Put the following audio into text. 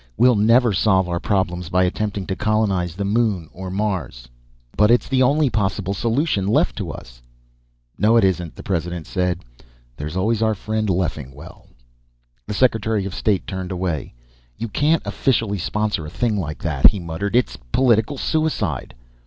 We'll never solve our problems by attempting to colonize the moon or Mars." "But it's the only possible solution left to us." "No it isn't," the President said. "There's always our friend Leffingwell." The Secretary of State turned away. "You can't officially sponsor a thing like that," he muttered. "It's political suicide."